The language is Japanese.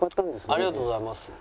ありがとうございます。